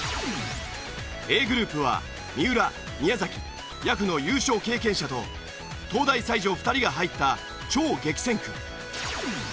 Ａグループは三浦宮崎やくの優勝経験者と東大才女２人が入った超激戦区。